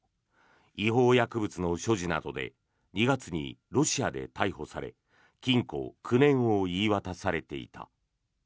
違法薬物の所持などで２月にロシアで逮捕され禁錮９年を言い渡されていた。